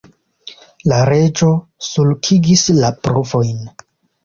La Reĝo sulkigis la brovojn.